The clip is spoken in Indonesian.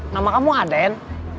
nama kamu aden